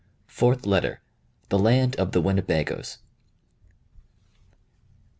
FOURTH LETTER. THE LAND OF THE WINNEBAGOES.